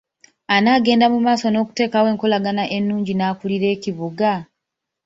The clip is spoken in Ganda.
Anaagenda mu maaso n’okuteekawo enkolagana ennungi n’akulira ekibuga?